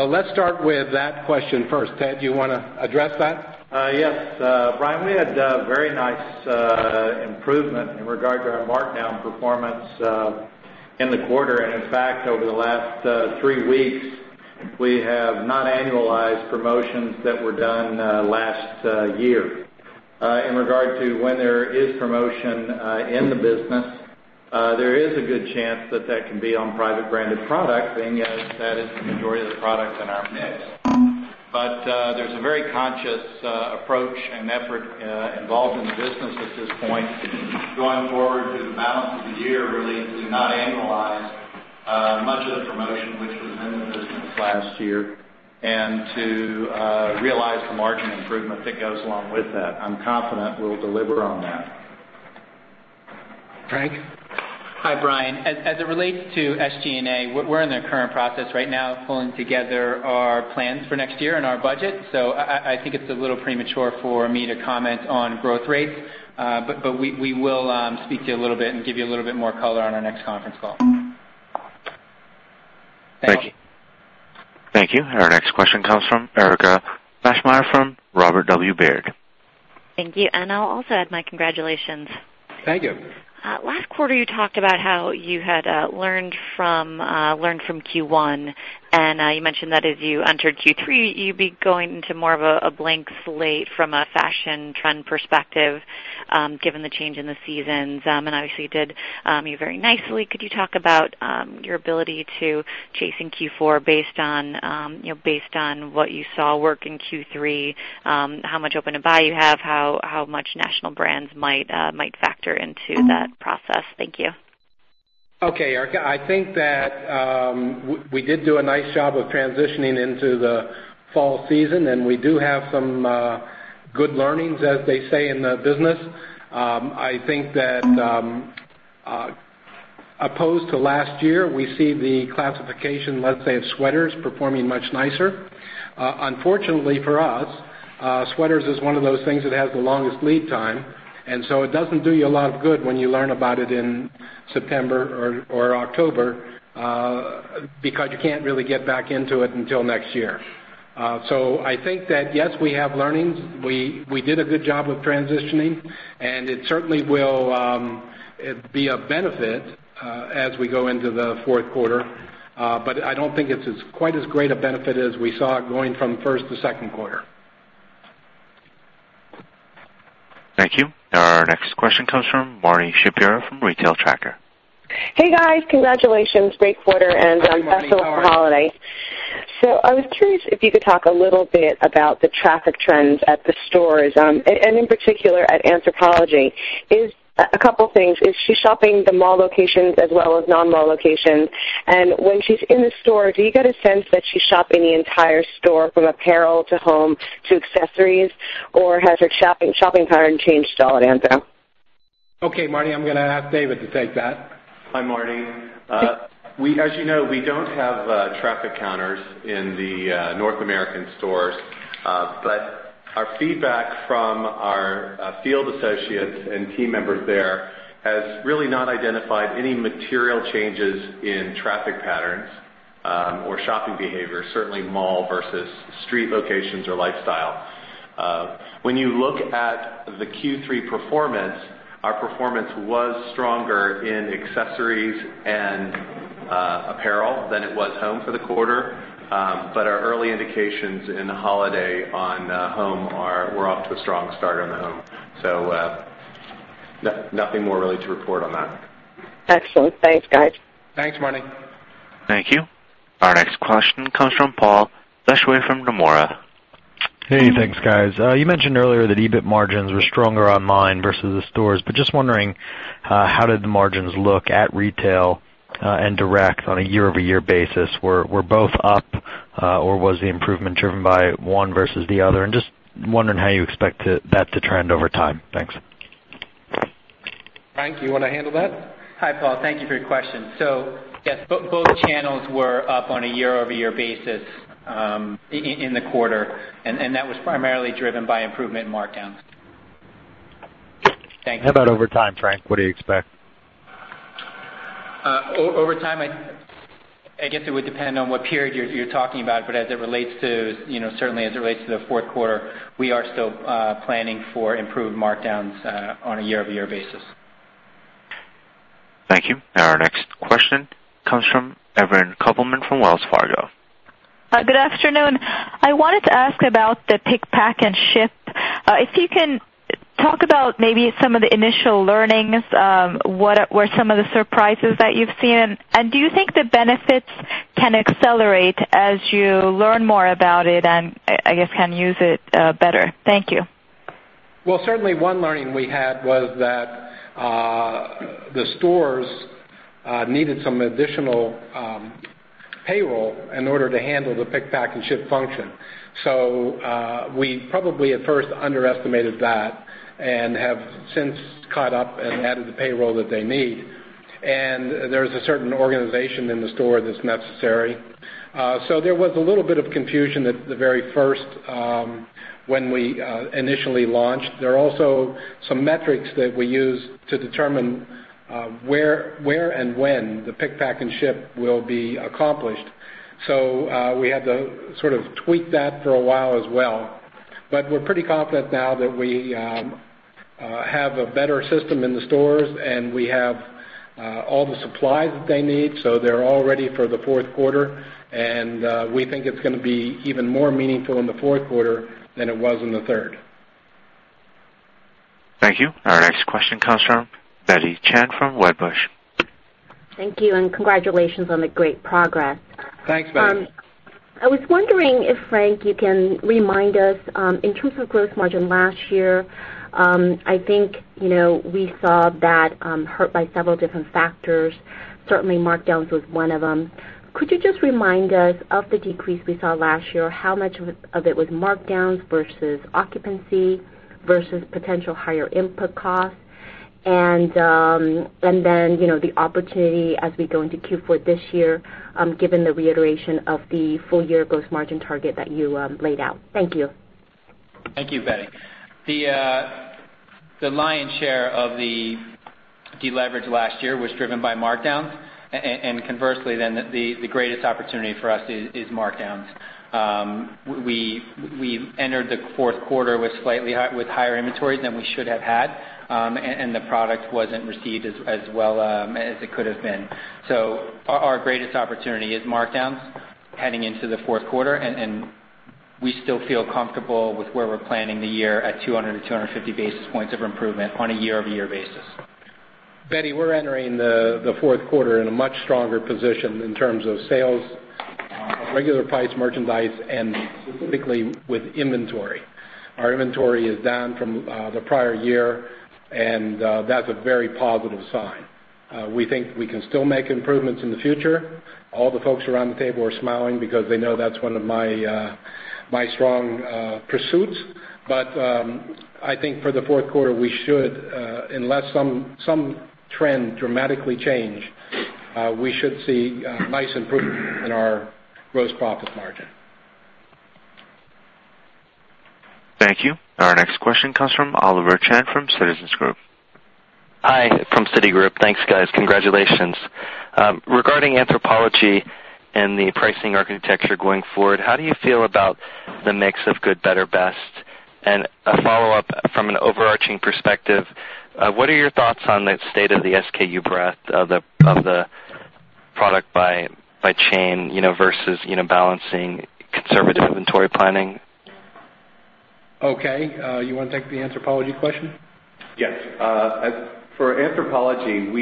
Let's start with that question first. Ted, do you want to address that? Yes. Brian, we had very nice improvement in regard to our markdown performance in the quarter. In fact, over the last three weeks, we have not annualized promotions that were done last year. In regard to when there is promotion in the business, there is a good chance that that can be on private branded product, being as that is the majority of the product in our mix. There's a very conscious approach and effort involved in the business at this point, going forward through the balance of the year, really, to not annualize much of the promotion which was in the business last year and to realize the margin improvement that goes along with that. I'm confident we'll deliver on that. Frank? Hi, Brian. As it relates to SG&A, we're in the current process right now of pulling together our plans for next year and our budget. I think it's a little premature for me to comment on growth rates. We will speak to you a little bit and give you a little bit more color on our next conference call. Thank you. Thank you. Our next question comes from Erika Maschmeyer from Robert W. Baird. Thank you, I'll also add my congratulations. Thank you. Last quarter, you talked about how you had learned from Q1, and you mentioned that as you entered Q3, you'd be going into more of a blank slate from a fashion trend perspective, given the change in the seasons. Obviously, you did very nicely. Could you talk about your ability to chase in Q4 based on what you saw work in Q3, how much open to buy you have, how much national brands might factor into that process? Thank you. Okay, Erika. I think that we did do a nice job of transitioning into the fall season, and we do have some good learnings, as they say in the business. I think that opposed to last year, we see the classification, let's say, of sweaters performing much nicer. Unfortunately for us, sweaters is one of those things that has the longest lead time, and so it doesn't do you a lot of good when you learn about it in September or October, because you can't really get back into it until next year. I think that, yes, we have learnings. We did a good job of transitioning, and it certainly will be of benefit as we go into the fourth quarter. I don't think it's as quite a great a benefit as we saw it going from first to second quarter. Thank you. Our next question comes from Marni Shapiro from Retail Tracker. Hey, guys. Congratulations. Great quarter and best of for holiday. Thanks, Marni. I was curious if you could talk a little bit about the traffic trends at the stores, in particular at Anthropologie. A couple things. Is she shopping the mall locations as well as non-mall locations? When she's in the store, do you get a sense that she's shopping the entire store, from apparel to home to accessories, or has her shopping pattern changed at all at Anthro? Okay, Marni, I'm going to ask David to take that. Hi, Marni. As you know, we don't have traffic counters in the North American stores. Our feedback from our field associates and team members there has really not identified any material changes in traffic patterns or shopping behavior, certainly mall versus street locations or lifestyle. When you look at the Q3 performance, our performance was stronger in accessories and apparel than it was home for the quarter. Our early indications in the holiday on home are, we're off to a strong start on the home. Nothing more really to report on that. Excellent. Thanks, guys. Thanks, Marni. Thank you. Our next question comes from Paul Lejuez from Nomura. Hey, thanks, guys. You mentioned earlier that EBIT margins were stronger online versus the stores. Just wondering, how did the margins look at retail and direct on a year-over-year basis? Were both up, or was the improvement driven by one versus the other? Just wondering how you expect that to trend over time. Thanks. Frank, you want to handle that? Hi, Paul. Thank you for your question. Yes, both channels were up on a year-over-year basis in the quarter. That was primarily driven by improvement in markdowns. Thank you. How about over time, Frank? What do you expect? Over time, I guess it would depend on what period you're talking about. Certainly as it relates to the fourth quarter, we are still planning for improved markdowns on a year-over-year basis. Thank you. Our next question comes from Evren Kopelman from Wells Fargo. Good afternoon. I wanted to ask about the pick, pack, and ship. If you can talk about maybe some of the initial learnings. What were some of the surprises that you've seen? Do you think the benefits can accelerate as you learn more about it and, I guess, can use it better? Thank you. Certainly one learning we had was that the stores needed some additional payroll in order to handle the pick, pack, and ship function. We probably at first underestimated that and have since caught up and added the payroll that they need. There's a certain organization in the store that's necessary. There was a little bit of confusion at the very first when we initially launched. There are also some metrics that we use to determine where and when the pick, pack, and ship will be accomplished. We had to sort of tweak that for a while as well. We're pretty confident now that we We have a better system in the stores. We have all the supplies that they need, so they're all ready for the fourth quarter. We think it's going to be even more meaningful in the fourth quarter than it was in the third. Thank you. Our next question comes from Betty Chen from Wedbush. Thank you. Congratulations on the great progress. Thanks, Betty. I was wondering if, Frank, you can remind us, in terms of gross margin last year, I think we saw that hurt by several different factors. Certainly markdowns was one of them. Could you just remind us of the decrease we saw last year? How much of it was markdowns versus occupancy versus potential higher input costs? Then, the opportunity as we go into Q4 this year, given the reiteration of the full-year gross margin target that you laid out. Thank you. Thank you, Betty. The lion's share of the deleverage last year was driven by markdowns. Conversely, then the greatest opportunity for us is markdowns. We've entered the fourth quarter with higher inventories than we should have had, and the product wasn't received as well as it could have been. Our greatest opportunity is markdowns heading into the fourth quarter, and we still feel comfortable with where we're planning the year at 200 to 250 basis points of improvement on a year-over-year basis. Betty, we're entering the fourth quarter in a much stronger position in terms of sales, regular price merchandise, and specifically with inventory. Our inventory is down from the prior year, and that's a very positive sign. We think we can still make improvements in the future. All the folks around the table are smiling because they know that's one of my strong pursuits. I think for the fourth quarter, unless some trend dramatically change, we should see a nice improvement in our gross profit margin. Thank you. Our next question comes from Oliver Chen from Citigroup. Hi, from Citigroup. Thanks, guys. Congratulations. Regarding Anthropologie and the pricing architecture going forward, how do you feel about the mix of good, better, best? A follow-up from an overarching perspective, what are your thoughts on the state of the SKU breadth of the product by chain versus balancing conservative inventory planning? Okay. You want to take the Anthropologie question? Yes. For Anthropologie,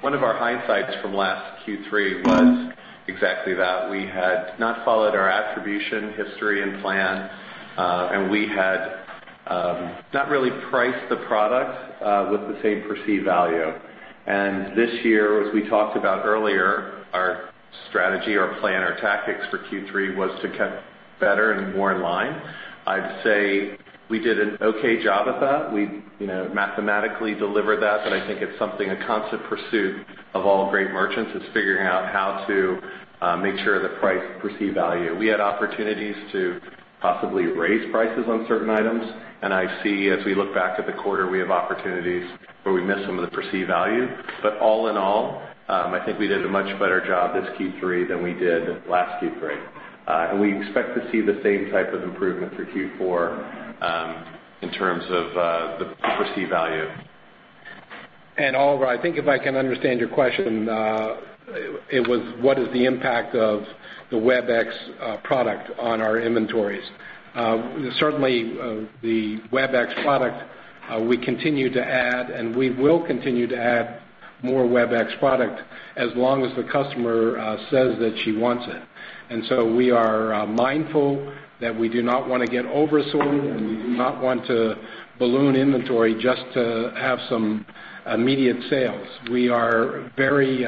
one of our hindsights from last Q3 was exactly that. We had not followed our attribution history and plan, and we had not really priced the product with the same perceived value. This year, as we talked about earlier, our strategy, our plan, our tactics for Q3 was to get better and more in line. I'd say we did an okay job at that. We mathematically delivered that, but I think it's something, a constant pursuit of all great merchants is figuring out how to make sure the price perceived value. We had opportunities to possibly raise prices on certain items, and I see as we look back at the quarter, we have opportunities where we missed some of the perceived value. All in all, I think we did a much better job this Q3 than we did last Q3. We expect to see the same type of improvement for Q4 in terms of the perceived value. Oliver, I think if I can understand your question, it was what is the impact of the Web-exclusive product on our inventories. Certainly, the Web-exclusive product, we continue to add, and we will continue to add more Web-exclusive product as long as the customer says that she wants it. So we are mindful that we do not want to get over-sold, and we do not want to balloon inventory just to have some immediate sales. We are very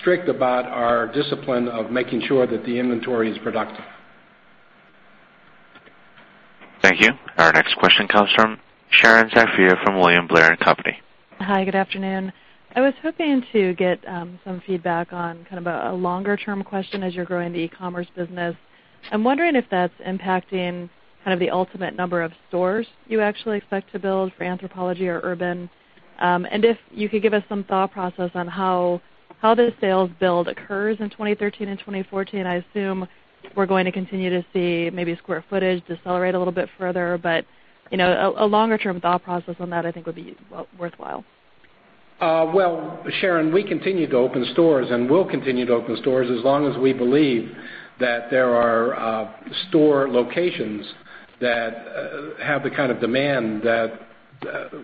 strict about our discipline of making sure that the inventory is productive. Thank you. Our next question comes from Sharon Zackfia from William Blair & Company. Hi, good afternoon. I was hoping to get some feedback on kind of a longer-term question as you're growing the e-commerce business. I'm wondering if that's impacting kind of the ultimate number of stores you actually expect to build for Anthropologie or Urban. If you could give us some thought process on how the sales build occurs in 2013 and 2014. I assume we're going to continue to see maybe square footage decelerate a little bit further, but a longer-term thought process on that, I think, would be worthwhile. Well, Sharon, we continue to open stores and will continue to open stores as long as we believe that there are store locations that have the kind of demand that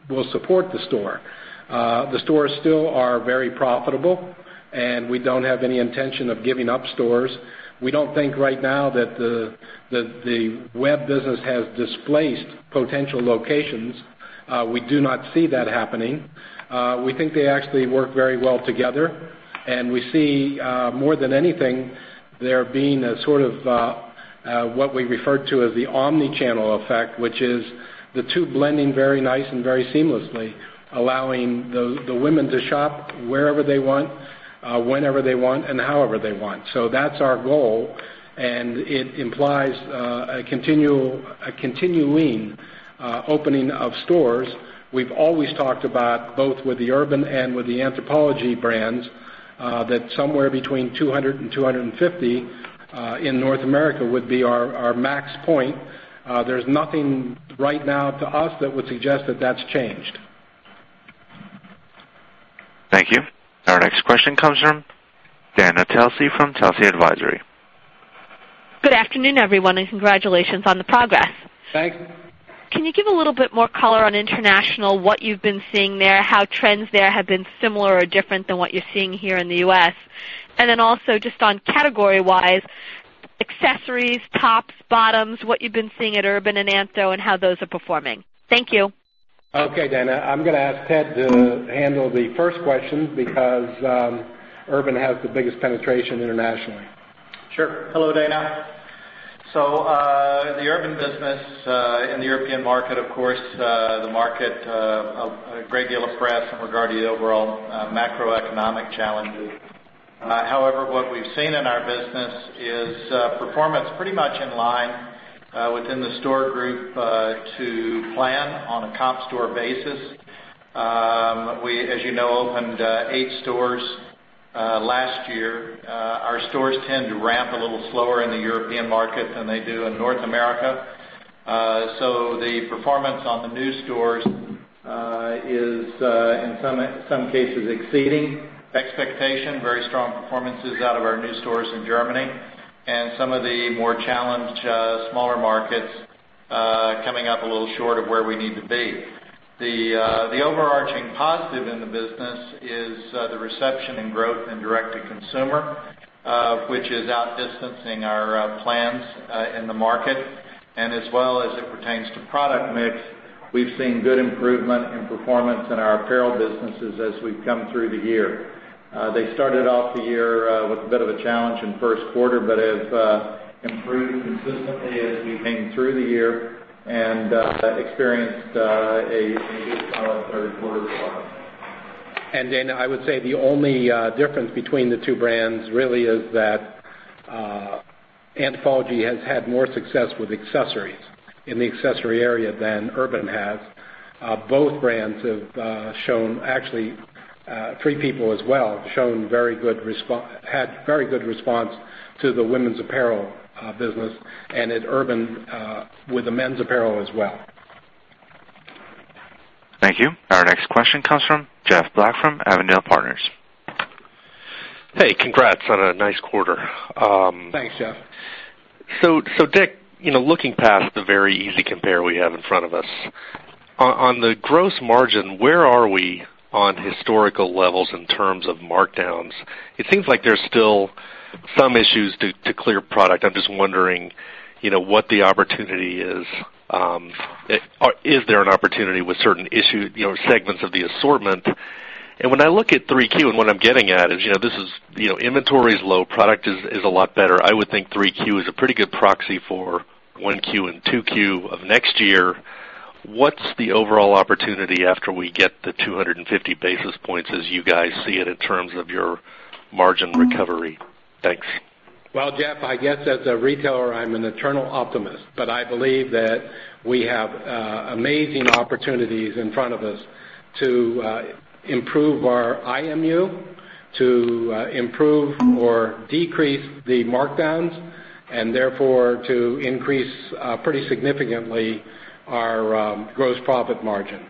will support the store. The stores still are very profitable, and we don't have any intention of giving up stores. We don't think right now that the web business has displaced potential locations. We do not see that happening. We think they actually work very well together, and we see more than anything, there being a sort of what we refer to as the omni-channel effect, which is the two blending very nice and very seamlessly, allowing the women to shop wherever they want, whenever they want, and however they want. That's our goal, and it implies a continuing opening of stores. We've always talked about both with the Urban Outfitters and with the Anthropologie brands, that somewhere between 200 and 250 in North America would be our max point. There's nothing right now to us that would suggest that that's changed. Thank you. Our next question comes from Dana Telsey from Telsey Advisory. Good afternoon, everyone, and congratulations on the progress. Thanks. Can you give a little bit more color on international, what you've been seeing there, how trends there have been similar or different than what you're seeing here in the U.S.? Also just on category-wise, accessories, tops, bottoms, what you've been seeing at Urban and Anthro and how those are performing. Thank you. Okay, Dana, I'm going to ask Ted to handle the first question because Urban has the biggest penetration internationally. Sure. Hello, Dana. The Urban business in the European market, of course, the market, a great deal of press in regard to the overall macroeconomic challenges. However, what we've seen in our business is performance pretty much in line within the store group to plan on a comp store basis. We, as you know, opened eight stores last year. Our stores tend to ramp a little slower in the European market than they do in North America. The performance on the new stores is in some cases exceeding expectation, very strong performances out of our new stores in Germany and some of the more challenged smaller markets coming up a little short of where we need to be. The overarching positive in the business is the reception and growth in direct-to-consumer, which is outdistancing our plans in the market. As well as it pertains to product mix, we've seen good improvement in performance in our apparel businesses as we've come through the year. They started off the year with a bit of a challenge in first quarter, have improved consistently as we came through the year and experienced a good third quarter as well. Dana, I would say the only difference between the two brands really is that Anthropologie has had more success with accessories in the accessory area than Urban Outfitters has. Both brands have shown actually, Free People as well, had very good response to the women's apparel business and at Urban Outfitters with the men's apparel as well. Thank you. Our next question comes from Jeff Black from Avondale Partners. Hey, congrats on a nice quarter. Thanks, Jeff. Dick, looking past the very easy compare we have in front of us. On the gross margin, where are we on historical levels in terms of markdowns? It seems like there's still some issues to clear product. I'm just wondering what the opportunity is. Is there an opportunity with certain segments of the assortment? When I look at 3Q, what I'm getting at is inventory is low, product is a lot better. I would think 3Q is a pretty good proxy for 1Q and 2Q of next year. What's the overall opportunity after we get the 250 basis points as you guys see it in terms of your margin recovery? Thanks. Well, Jeff, I guess as a retailer, I'm an eternal optimist, I believe that we have amazing opportunities in front of us to improve our IMU, to improve or decrease the markdowns, and therefore, to increase pretty significantly our gross profit margin.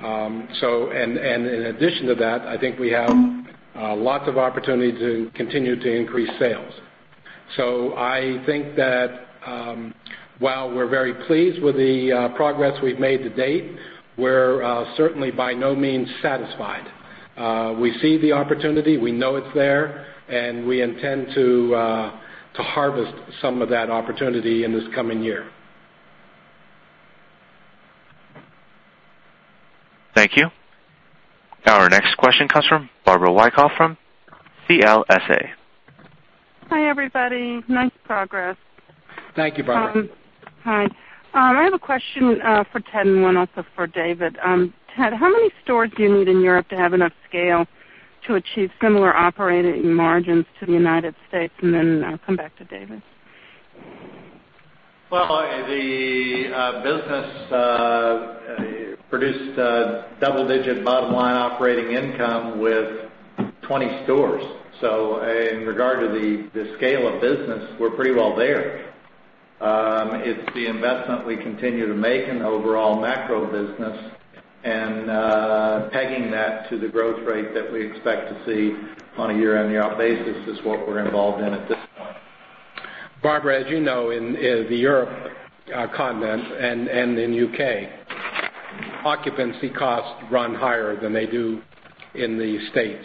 In addition to that, I think we have lots of opportunity to continue to increase sales. I think that while we're very pleased with the progress we've made to date, we're certainly by no means satisfied. We see the opportunity. We know it's there, and we intend to harvest some of that opportunity in this coming year. Thank you. Our next question comes from Barbara Wyckoff from CLSA. Hi, everybody. Nice progress. Thank you, Barbara. Hi. I have a question for Ted and one also for David. Ted, how many stores do you need in Europe to have enough scale to achieve similar operating margins to the United States? I'll come back to David. Well, the business produced double-digit bottom-line operating income with 20 stores. In regard to the scale of business, we're pretty well there. It's the investment we continue to make in the overall macro business and pegging that to the growth rate that we expect to see on a year-on-year basis is what we're involved in at this point. Barbara, as you know, in the Europe continent and in U.K., occupancy costs run higher than they do in the States.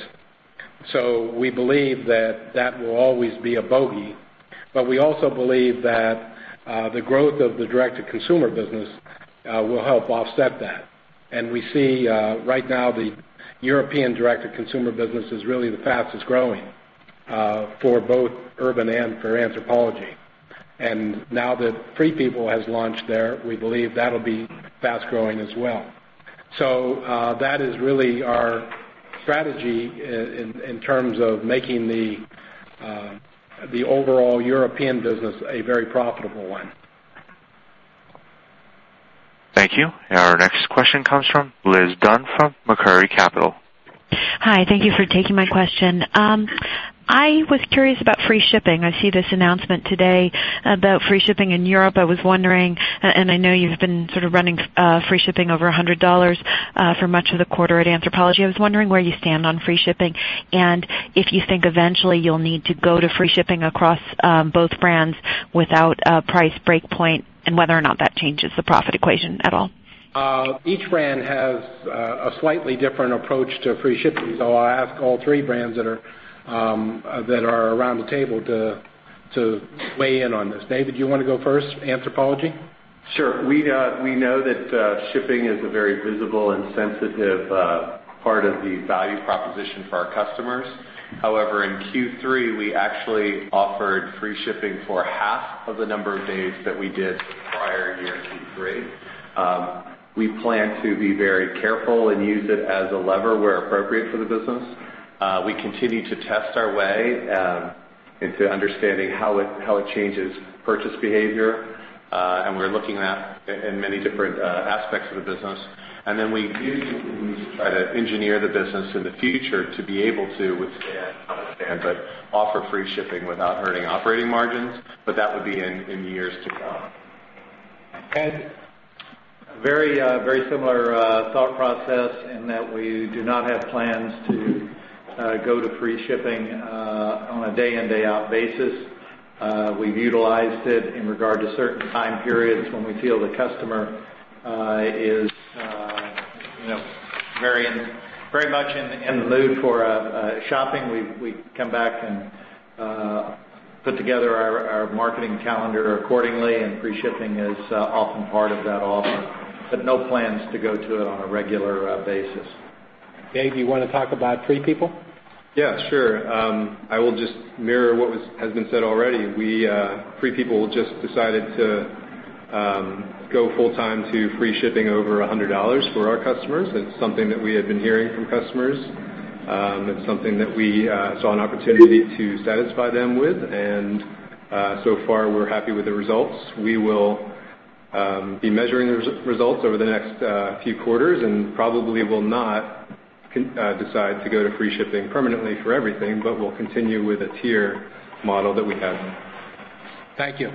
We believe that will always be a bogey. We also believe that the growth of the direct-to-consumer business will help offset that. We see right now the European direct-to-consumer business is really the fastest-growing for both Urban and for Anthropologie. Now that Free People has launched there, we believe that'll be fast-growing as well. That is really our strategy in terms of making the overall European business a very profitable one. Thank you. Our next question comes from Liz Dunn from Macquarie Capital. Hi. Thank you for taking my question. I was curious about free shipping. I see this announcement today about free shipping in Europe. I was wondering, and I know you've been sort of running free shipping over $100 for much of the quarter at Anthropologie, I was wondering where you stand on free shipping and if you think eventually you'll need to go to free shipping across both brands without a price break point, and whether or not that changes the profit equation at all. Each brand has a slightly different approach to free shipping. I'll ask all three brands that are around the table to weigh in on this. David, do you want to go first, Anthropologie? Sure. We know that shipping is a very visible and sensitive part of the value proposition for our customers. However, in Q3, we actually offered free shipping for half of the number of days that we did the prior year in Q3. We plan to be very careful and use it as a lever where appropriate for the business. We continue to test our way into understanding how it changes purchase behavior. We're looking at in many different aspects of the business. We try to engineer the business in the future to be able to withstand, but offer free shipping without hurting operating margins, but that would be in years to come. Ted. Very similar thought process in that we do not have plans to go to free shipping on a day-in day-out basis. We've utilized it in regard to certain time periods when we feel the customer is very much in the mood for shopping. We come back and put together our marketing calendar accordingly, free shipping is often part of that offer. No plans to go to it on a regular basis. Dave, do you want to talk about Free People? Yeah, sure. I will just mirror what has been said already. Free People just decided to go full time to free shipping over $100 for our customers. It's something that we had been hearing from customers. It's something that we saw an opportunity to satisfy them with. So far, we're happy with the results. We will be measuring the results over the next few quarters and probably will not decide to go to free shipping permanently for everything, but we'll continue with the tier model that we have. Thank you.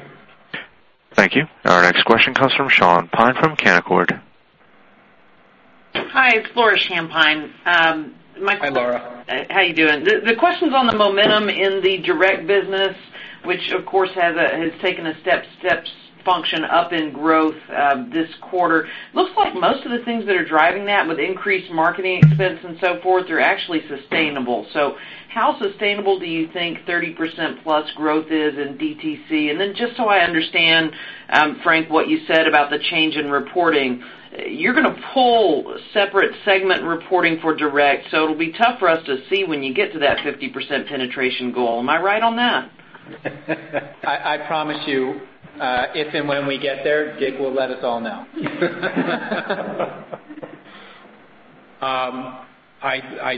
Thank you. Our next question comes from Laura Champine from Canaccord. Hi, it's Laura Champine. Hi, Laura. How you doing? The question's on the momentum in the direct business, which, of course, has taken a step function up in growth this quarter. Looks like most of the things that are driving that with increased marketing expense and so forth are actually sustainable. How sustainable do you think 30% plus growth is in DTC? Just so I understand, Frank, what you said about the change in reporting, you're gonna pull separate segment reporting for direct, so it'll be tough for us to see when you get to that 50% penetration goal. Am I right on that? I promise you, if and when we get there, Gig will let us all know.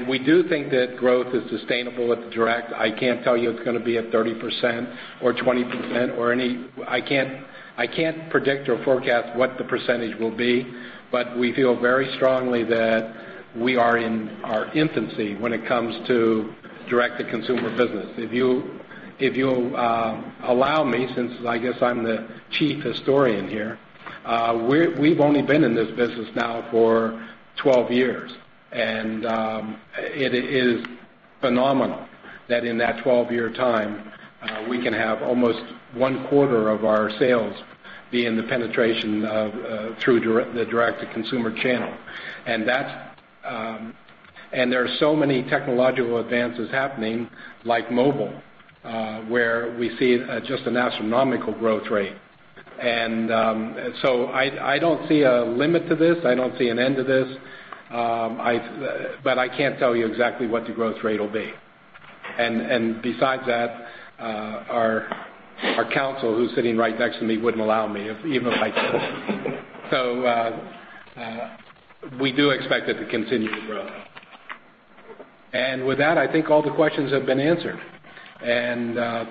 We do think that growth is sustainable at the direct. I can't tell you it's gonna be at 30% or 20% or I can't predict or forecast what the percentage will be, we feel very strongly that we are in our infancy when it comes to direct-to-consumer business. If you'll allow me, since I guess I'm the chief historian here, we've only been in this business now for 12 years, and it is phenomenal that in that 12-year time, we can have almost one-quarter of our sales be in the penetration through the direct-to-consumer channel. There are so many technological advances happening, like mobile, where we see just an astronomical growth rate. I don't see a limit to this. I don't see an end to this. I can't tell you exactly what the growth rate will be. Besides that, our council, who's sitting right next to me, wouldn't allow me even if I could. We do expect it to continue to grow. With that, I think all the questions have been answered.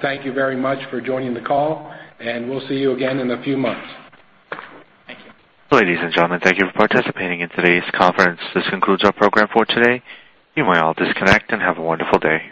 Thank you very much for joining the call, and we'll see you again in a few months. Thank you. Ladies and gentlemen, thank you for participating in today's conference. This concludes our program for today. You may all disconnect, and have a wonderful day.